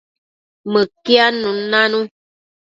Mëquiadnun nanu